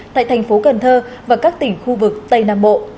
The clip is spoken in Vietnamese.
tại thành phố cần thơ và các tỉnh khu vực tây nam bộ